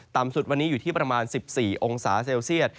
สุดวันนี้อยู่ที่ประมาณ๑๔องศาเซลเซียต